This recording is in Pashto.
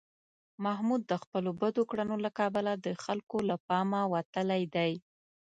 محمود د خپلو بدو کړنو له کبله د خلکو له پامه وتلی دی.